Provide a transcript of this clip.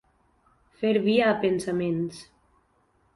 Fer via a pensaments.